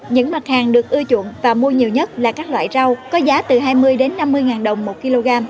những mặt hàng được ưa chuộng và mua nhiều nhất là các loại rau có giá từ hai mươi năm mươi ngàn đồng một kg